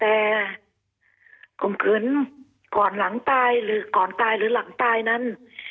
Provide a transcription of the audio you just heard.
แต่ข่มขืนก่อนหลังตายหรือก่อนตายหรือหลังตายนั้น